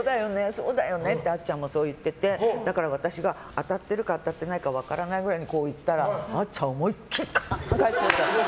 そうだよねってあっちゃんも言っててだから、私が当たってるか当たってないか分からないくらいでこういったら、あっちゃん思い切り返してきて。